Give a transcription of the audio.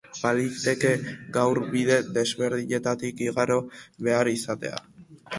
Baliteke gaur bide desberdinetatik igaro behar izatea.